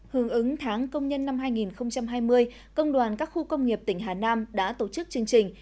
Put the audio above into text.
hướng ứng tháng công nhân năm hai nghìn hai mươi công đoàn các khu công nghiệp tỉnh hà nam đã tổ chức chương trình